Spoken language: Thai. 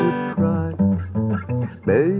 มีคนเดียว